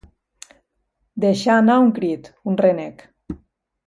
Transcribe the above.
Deixar anar un crit, un renec.